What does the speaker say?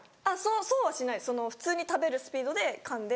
そうはしない普通に食べるスピードでかんでのんでる。